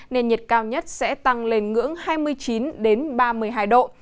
nền nhiệt cao nhất sẽ tăng lên ngưỡng hai mươi chín đến ba mươi hai độ